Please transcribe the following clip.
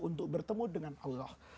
untuk bertemu dengan allah